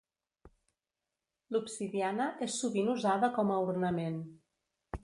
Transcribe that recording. L'obsidiana és sovint usada com a ornament.